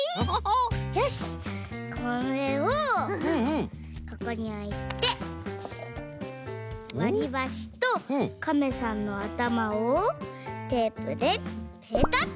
よしこれをここにおいてわりばしとカメさんのあたまをテープでペタッと。